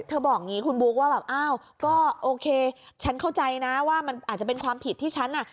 บอกอย่างนี้คุณบุ๊คว่าแบบอ้าวก็โอเคฉันเข้าใจนะว่ามันอาจจะเป็นความผิดที่ฉันน่ะ